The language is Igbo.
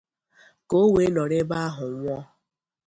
ka o wee nọrọ ebe ahụ nwụọ.